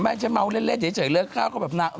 ไม่ใช่เม้าเล่นเดี๋ยวเฉยเรื่องข้าวก็แบบน้อง